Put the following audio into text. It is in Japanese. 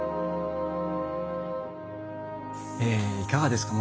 いかがですか？